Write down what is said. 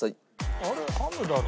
あれハムだろ？